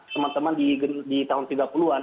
teman teman di tahun tiga puluh an